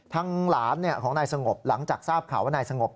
ทางหลานของนายสงบหลังจากทราบข่าวว่านายสงบ